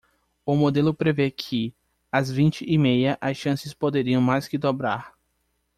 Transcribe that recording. O modelo prevê que, às vinte e meia, as chances poderiam mais que dobrar.